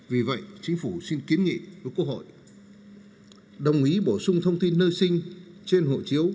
vì vậy chính phủ xin kiến nghị với quốc hội đồng ý bổ sung thông tin nơi sinh trên hộ chiếu